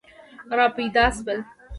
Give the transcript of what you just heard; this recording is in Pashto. را پیدا شول.